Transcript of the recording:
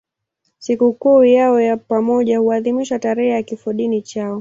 Sikukuu yao ya pamoja huadhimishwa tarehe ya kifodini chao.